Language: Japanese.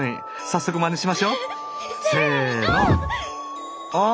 早速まねしましょ。せの！わ！